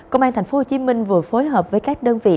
công an tp hcm vừa phối hợp với các đơn vị